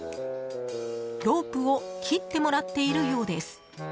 ロープを切ってもらっているようです。